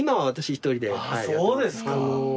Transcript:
そうですか。